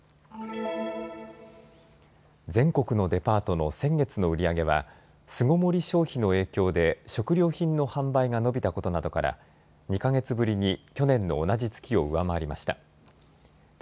全国のデパートの先月の売り上げは、巣ごもり消費の影響で食料品の販売が伸びたことなどから、２か月ぶりに去年の同じ月を上回りました。